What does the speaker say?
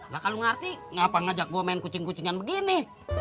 lah kalau ngarti ngapain ngajak gue main kucing kucingan begini